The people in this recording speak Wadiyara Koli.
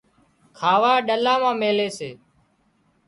کاوا ڏلا مان ميلي سي